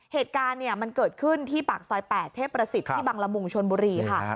เหตุการณ์มันเกิดขึ้นที่ปากซอย๘เทพประสิทธิ์ที่บังละมุงชนบุรีค่ะ